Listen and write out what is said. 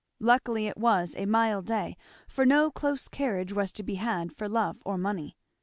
Luckily it was a mild day, for no close carriage was to be had for love or money.